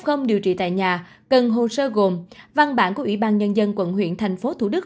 các cơ sở cách ly tại nhà cần hồ sơ gồm văn bản của ủy ban nhân dân quận huyện thành phố thủ đức